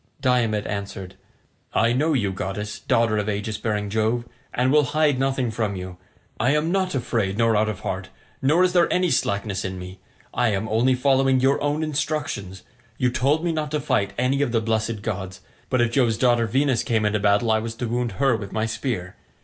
Diomed answered, "I know you, goddess, daughter of aegis bearing Jove, and will hide nothing from you. I am not afraid nor out of heart, nor is there any slackness in me. I am only following your own instructions; you told me not to fight any of the blessed gods; but if Jove's daughter Venus came into battle I was to wound her with my spear.